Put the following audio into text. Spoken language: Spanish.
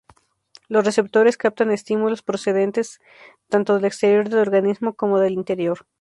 Los receptores captan estímulos procedentes tanto del exterior del organismo, como del interior.